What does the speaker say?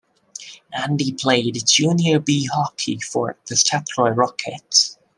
Andy played Junior B hockey for the Strathroy Rockets.